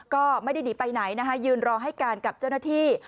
ก็ไม่ได้หนีไปไหนนะคะยืนรอให้การกับเจ้าหน้าที่